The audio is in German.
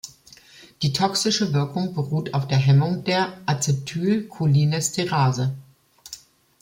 Die toxische Wirkung beruht auf der Hemmung der Acetylcholinesterase.